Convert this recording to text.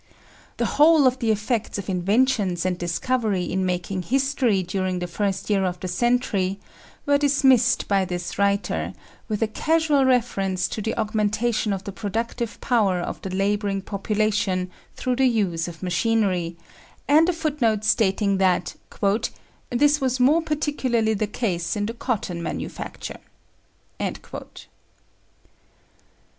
The whole of the effects of invention and discovery in making history during the first year of the century were dismissed by this writer with a casual reference to the augmentation of the productive power of the labouring population through the use of machinery, and a footnote stating that "this was more particularly the case in the cotton manufacture".